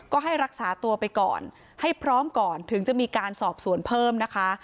ก็ให้รักษาตัวไปก่อนให้พร้อมก่อนถึงจะมีการสอบสวนเพิ่มนะคะ